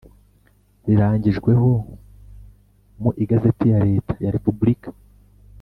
rirangijweho mu Igazeti ya Leta ya Repubulika